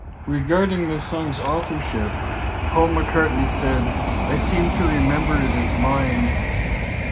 Regarding the song's authorship, Paul McCartney said, I seem to remember it as mine.